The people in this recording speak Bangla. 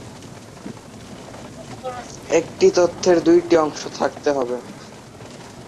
একটি তথ্যের দুইটি অংশ থাকতে হবে।